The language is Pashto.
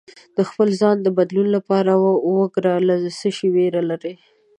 د خپل ځان د بدلون لپاره وګره له څه شي ویره لرې